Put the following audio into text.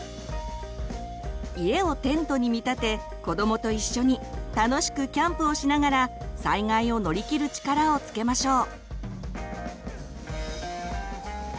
家をテントに見立て子どもと一緒に楽しくキャンプをしながら災害を乗り切る力をつけましょう。